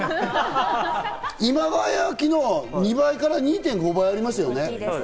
今川焼の２倍から２．５倍ありますね。